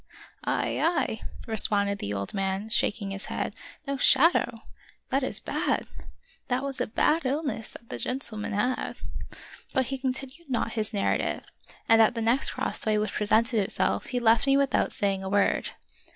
" Ay ! ay !" responded the old man, shaking his head ;" no shadow ? that is bad ! That was a bad illness that the gentleman had." But he continued not his narrative, and at the next crossway which presented itself he left me with out saying a word.